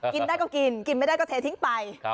กินได้ก็กินกินไม่ได้ก็เททิ้งไป